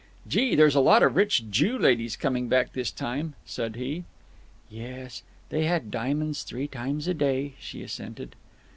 "Gee, there's a lot of rich Jew ladies coming back this time!" said he. "Yes. They had diamonds three times a day," she assented.